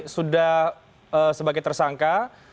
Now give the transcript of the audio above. sudah sebagai tersangka